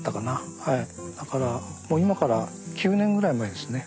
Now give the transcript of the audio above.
だから今から９年ぐらい前ですね。